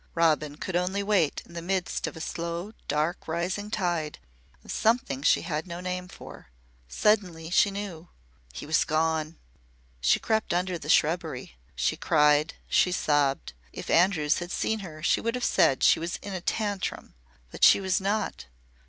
Robin could only wait in the midst of a slow dark rising tide of something she had no name for. Suddenly she knew. He was gone! She crept under the shrubbery. She cried, she sobbed. If Andrews had seen her she would have said she was "in a tantrum." But she was not.